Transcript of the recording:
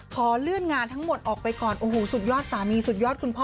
ขอเลื่อนงานทั้งหมดออกไปก่อนโอ้โหสุดยอดสามีสุดยอดคุณพ่อ